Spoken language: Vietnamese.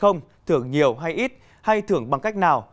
không thưởng nhiều hay ít hay thưởng bằng cách nào